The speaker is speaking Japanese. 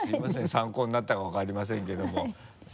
参考になったか分かりませんけども。